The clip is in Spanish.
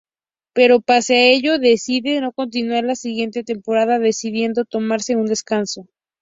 Pero pese a ello decide no continuar la siguiente temporada, decidiendo tomarse un descanso.